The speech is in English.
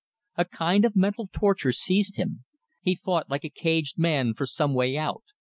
A kind of mental torture seized him. He fought like a caged man for some way out.